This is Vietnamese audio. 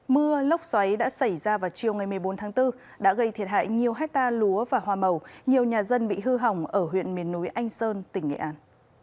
mưa lốc xoáy đã xảy ra vào chiều ngày một mươi bốn tháng bốn đã gây thiệt hại nhiều hectare lúa và hoa màu nhiều nhà dân bị hư hỏng ở huyện miền núi anh sơn tỉnh nghệ an